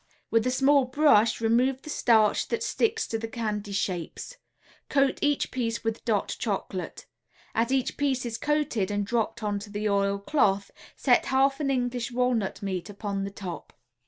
With a small brush remove the starch that sticks to the candy shapes. Coat each piece with "Dot" Chocolate. As each piece is coated and dropped onto the oil cloth, set half an English walnut meat upon the top.